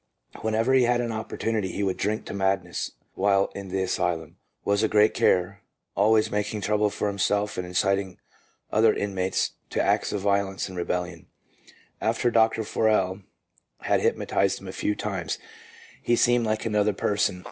Whenever he had opportunity he would drink to madness while in the asylum, was a great care, always making trouble for himself and inciting the other inmates to acts of violence and rebellion. After Dr. Forel had hypnotized him a few times, he seemed like another person.